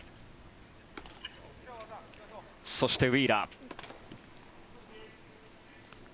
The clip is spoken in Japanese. そして、ウィーラー。